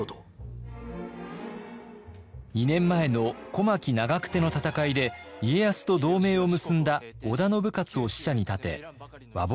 ２年前の小牧・長久手の戦いで家康と同盟を結んだ織田信雄を使者に立て和睦を迫ってきたのです。